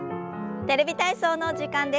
「テレビ体操」の時間です。